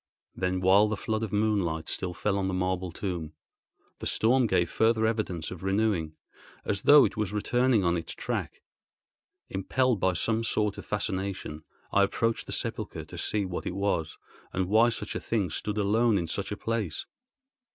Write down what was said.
Then while the flood of moonlight still fell on the marble tomb, the storm gave further evidence of renewing, as though it was returning on its track. Impelled by some sort of fascination, I approached the sepulchre to see what it was, and why such a thing stood alone in such a place.